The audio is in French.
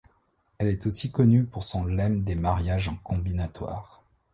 Il est aussi connu pour son lemme des mariages en combinatoire.